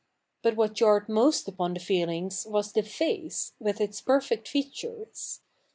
But what jarred most upon the feelings was the face, with its perfect features.